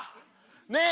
ねえ。